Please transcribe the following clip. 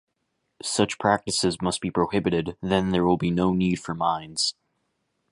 Such practices must be prohibited; then there will be no need for mines.